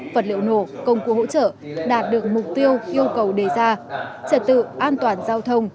vật liệu nổ công cụ hỗ trợ đạt được mục tiêu yêu cầu đề ra trật tự an toàn giao thông